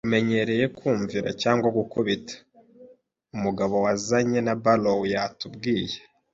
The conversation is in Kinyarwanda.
umenyereye kumvira cyangwa gukubita. Umugabo wazanye na barrow yatubwiye